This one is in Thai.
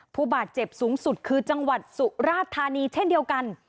ผู้บาดเจ็บสูงสุดคือจังหวัดสุราธานีเช่นเดียวกัน